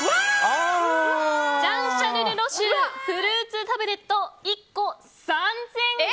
ジャン＝シャルル・ロシューフルーツタブレット１個３５６４円。